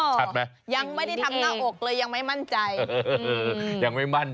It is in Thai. ยังไม่ได้ทำหน้าอกเลยยังไม่มั่นใจ